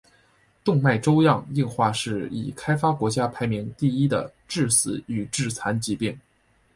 动脉粥样硬化是已开发国家排名第一的致死与致残疾病。